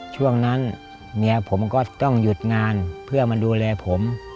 ช่วงนั้นเมียผมก็ต้องหยุดงานเพื่อมาดูแลผม